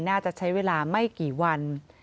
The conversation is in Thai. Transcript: น่าจะใช้เวลาไม่กี่วัน